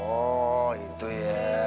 oh itu ya